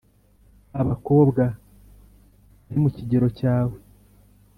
babakobwa barimukigero cyawe